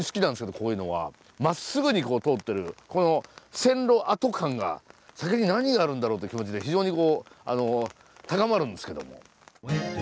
まっすぐに通ってるこの線路跡感が先に何があるんだろうという気持ちで非常にこう高まるんですけども。